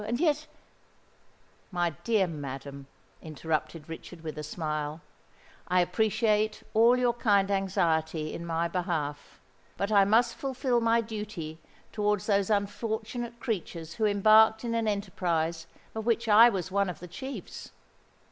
And yet—" "My dear madam," interrupted Richard, with a smile, "I appreciate all your kind anxiety in my behalf; but I must fulfil my duty towards those unfortunate creatures who embarked in an enterprise of which I was one of the chiefs."